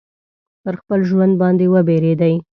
پر خپل ژوند باندي وبېرېدی.